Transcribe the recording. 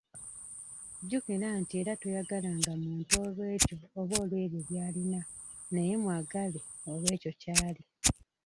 Jjukira nti era toyagalanga muntu olw'ekyo oba olw'ebyo by'alina naye mwagale olw'ekyo ky'ali.